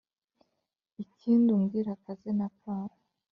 Ikindi umbwire akazina kawe